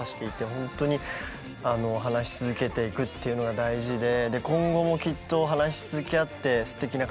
ほんとに話し続けていくっていうのが大事でねえ。